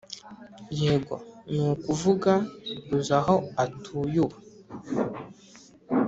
yego, nukuvuga, uzi aho atuye ubu?